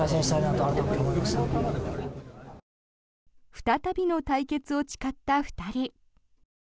再びの対決を誓った２人。